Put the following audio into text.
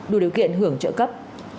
đủ điều kiện hưởng trợ cấp